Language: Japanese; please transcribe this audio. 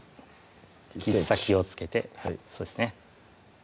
切っ先をつけてそうですね